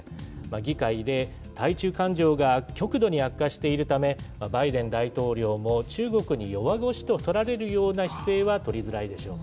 議会で対中感情が極度に悪化しているため、バイデン大統領も中国に弱腰と取られるような姿勢は取りづらいでしょう。